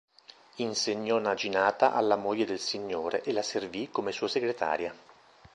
Insegnò naginata alla moglie del signore e la servì come sua segretaria.